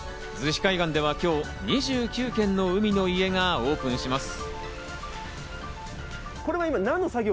逗子海岸では今日、２９軒の海の家がオープンします。